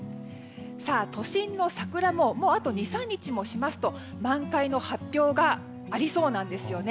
都心の桜もあと２３日もしますと満開の発表がありそうなんですよね。